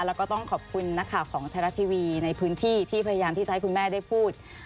แล้วก็ต้องขอบคุณนักข่าวของไทยรัฐทีวีในพื้นที่ที่พยายามที่จะให้คุณแม่ได้พูด